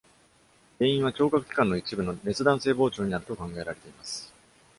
原因は、聴覚器官の一部の熱弾性膨張にあると考えられています。